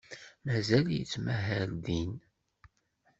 Mazal yettmahal din?